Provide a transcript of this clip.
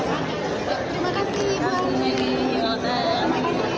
terima kasih ibu